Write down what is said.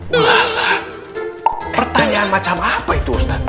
wah lah pertanyaan macam apa itu ustaz